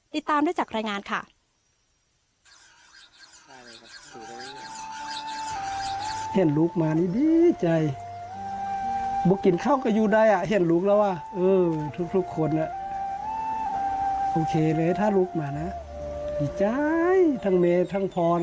ติดตามได้จากรายงานค่ะ